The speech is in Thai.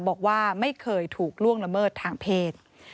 บอกว่าไม่เคยถูกล่วงละเมิดทางเพศ